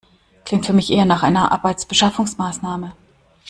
Klingt für mich eher nach einer Arbeitsbeschaffungsmaßnahme.